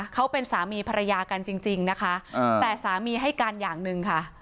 เขาเป็นสามีภรรยากันจริงนะคะแต่สามีให้การอย่างหนึ่งค่ะ